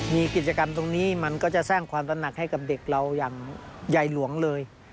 มีกิจกรรมตรงนี้มันก็จะสร้างความตระหนักให้กับเด็กเราอย่างใหญ่หลวงเลย